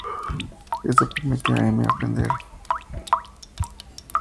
Esto permite a M aprender.